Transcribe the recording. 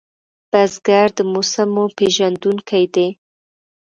بزګر د موسمو پېژندونکی دی